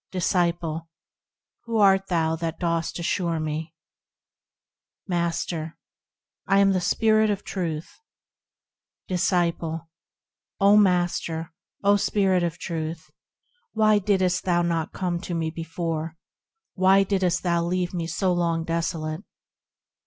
Disciple. Who art thou that dost assure, me ? Master. I am the Spirit of Truth. Disciple. O Master ! O Spirit of Truth ! Why didst thou not come to me before ? Why didst thou leave me so long desolate